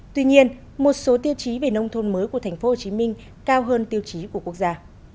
tuy nhiên một số tiêu chí về nông thôn mới của tp hcm cao hơn tiêu chí của quốc gia